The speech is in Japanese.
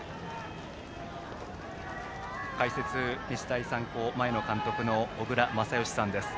解説、日大三高の前の監督小倉全由さんです。